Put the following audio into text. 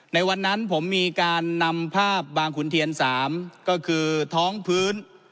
ในวันนั้นผมมีการนำภาพบางขุนเทียน๓ก็คือท้องพื้น